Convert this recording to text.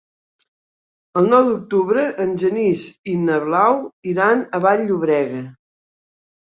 El nou d'octubre en Genís i na Blau iran a Vall-llobrega.